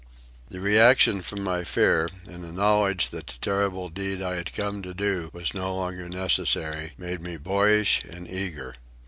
The reaction from my fear, and the knowledge that the terrible deed I had come to do was no longer necessary, made me boyish and eager.